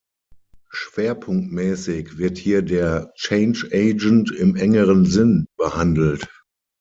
Schwerpunktmäßig wird hier der "Change Agent im engeren Sinn" behandelt.